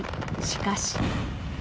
しかし。